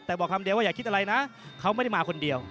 แต่บอกคำเดียวว่าอย่าคิดอะไรนะเขาไม่ได้มาคนเดียว